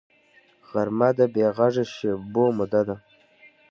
غرمه د بېغږه شېبو موده ده